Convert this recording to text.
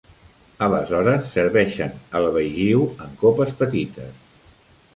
Aleshores serveixen el baijiu en copes petites.